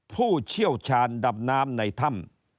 ผู้เชี่ยวชาญดำน้ำในถ้ำ